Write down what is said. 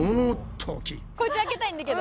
こじあけたいんだけど。